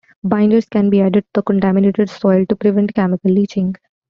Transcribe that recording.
Binders can be added to contaminated soil to prevent chemical leaching.